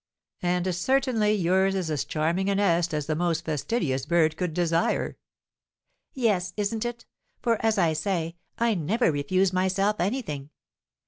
"And certainly yours is as charming a nest as the most fastidious bird could desire." "Yes, isn't it? for, as I say, I never refuse myself anything.